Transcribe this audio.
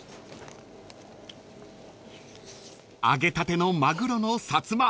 ［揚げたてのマグロのさつま揚げ